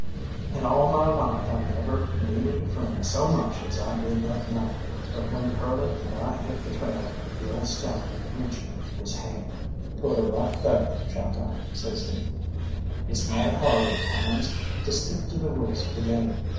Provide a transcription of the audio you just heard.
In all my life I never needed a friend so much as I did that night, but when Curly and I hit the trail the old scout reached me his hand. "Put her right thar, Chalkeye," says he; "it's mighty hard at times to stick to the rules of the game.